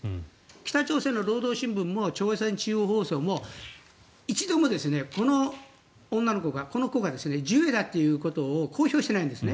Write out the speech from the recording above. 北朝鮮の労働新聞も朝鮮中央放送も一度もこの女の子が、この子がジュエだということを公表してないんですね。